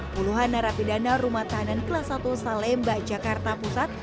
puluhan narapidana rumah tahanan kelas satu salemba jakarta pusat